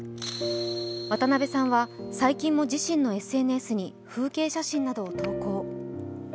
渡辺さんは最近も自身のＳＮＳに風景写真などを投稿。